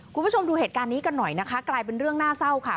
คุณผู้ชมดูเหตุการณ์นี้กันหน่อยนะคะกลายเป็นเรื่องน่าเศร้าค่ะ